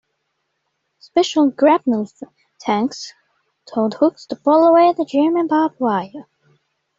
Special "grapnel tanks" towed hooks to pull away the German barbed wire.